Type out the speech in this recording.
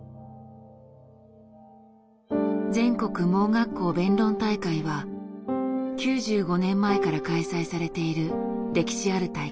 全国盲学校弁論大会は９５年前から開催されている歴史ある大会。